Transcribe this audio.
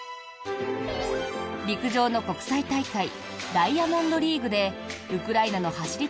陸上の国際大会ダイヤモンドリーグでウクライナの走り